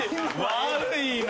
悪いな！